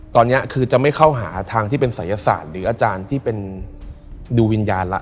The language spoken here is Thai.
ตอนนี้คือจะไม่เข้าหาทางที่เป็นศัยศาสตร์หรืออาจารย์ที่เป็นดูวิญญาณละ